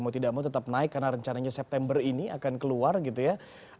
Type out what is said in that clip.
mau tidak mau tetap naik karena rencananya september ini akan keluar gitu ya